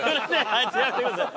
やめてください。